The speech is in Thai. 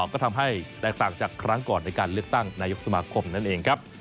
ก็ทำให้แตกต่างจากครั้งก่อนในการเลือกตั้งนายกสมาคมนั่นเองครับ